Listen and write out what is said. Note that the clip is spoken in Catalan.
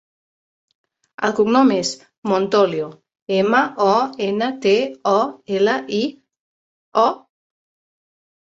El cognom és Montolio: ema, o, ena, te, o, ela, i, o.